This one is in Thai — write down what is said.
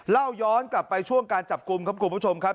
เล่าย้อนกลับไปช่วงการจับกลุ่มครับคุณผู้ชมครับ